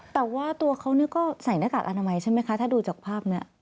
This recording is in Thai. แต่ว่าตัวเขาก็ใส่หน้ากากอนามัยใช่ไหมคะถ้าดูจากภาพนี้